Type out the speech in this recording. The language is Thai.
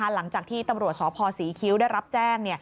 หลังจากที่ตำรวจสพศรีคิ้วได้รับแจ้ง